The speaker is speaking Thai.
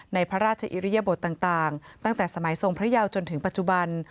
ในพระราชอิริยบทต่างตั้งแต่สมัยทรงพระยาวจนถึงปัจจุบัน